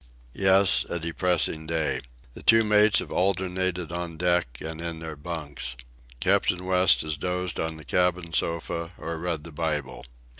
Yes, a depressing day. The two mates have alternated on deck and in their bunks. Captain West has dozed on the cabin sofa or read the Bible.